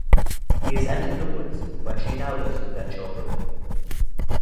He has entered the woods where she now lives with their children.